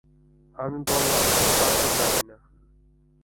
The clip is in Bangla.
আমি বললাম, তা তো জানি না।